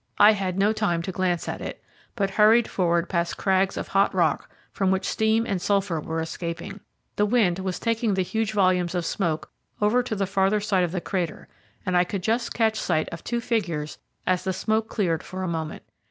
I had no time to glance at it, but hurried forward past crags of hot rock, from which steam and sulphur were escaping. The wind was taking the huge volumes of smoke over to the farther side of the crater, and I could just catch sight of two figures as the smoke cleared for a moment.